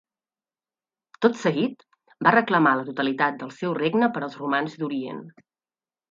Tot seguit, va reclamar la totalitat del seu regne per als romans d'Orient.